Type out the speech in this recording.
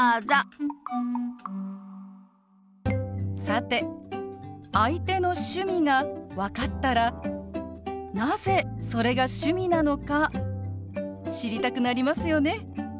さて相手の趣味が分かったらなぜそれが趣味なのか知りたくなりますよね。